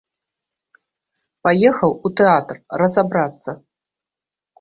Паехаў у тэатр разабрацца.